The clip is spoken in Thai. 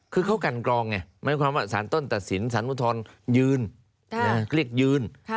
คือเขากันกรองไงหมายความว่าสารต้นตัดสินสารอุทธรยืนเรียกยืน